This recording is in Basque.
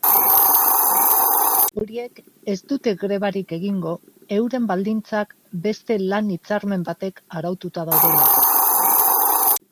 Horiek ez dute grebarik egingo euren baldintzak beste lan-hitzarmen batek araututa daudelako.